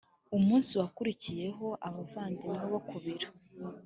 Ku munsi wakurikiyeho abavandimwe bo ku biro